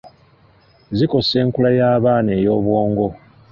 Zikosa enkula y’abaana ey’obwongo.